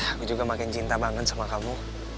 aku juga makin cinta banget sama kamu